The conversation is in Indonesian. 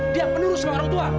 dia yang menurut sama orang tua